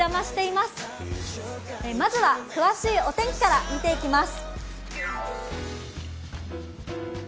まずは詳しいお天気から見ていきます。